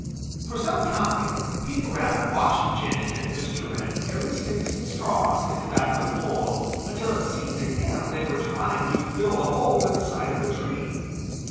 For some time Peter Rabbit watched Jenny and Mr. Wren carry sticks and straws into that little hole until it seemed to him they were trying to fill the whole inside of the tree.